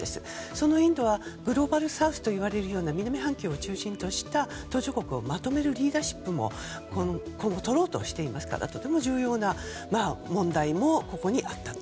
そのインドはグローバルサウスといわれるような南半球を中心とした途上国をまとめるリーダーシップも今後、とろうとしていますからとても重要な問題もここにあったと。